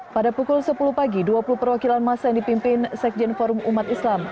pada pukul sepuluh pagi dua puluh perwakilan masa yang dipimpin sekjen forum umat islam